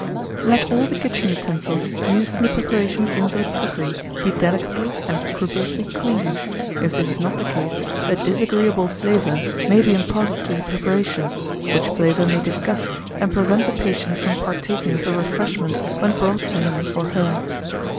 1841. LET all the kitchen utensils used in the preparation of invalids' cookery be delicately and 'scrupulously clean;' if this is not the case, a disagreeable flavour may be imparted to the preparation, which flavour may disgust, and prevent the patient from partaking of the refreshment when brought to him or her.